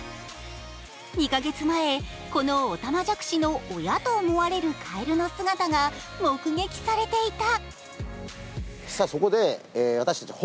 ２カ月前、このおたまじゃくしの親と思われるかえるの姿が目撃されていた。